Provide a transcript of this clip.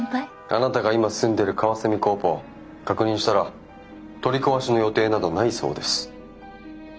あなたが今住んでるカワセミコーポ確認したら取り壊しの予定などないそうです。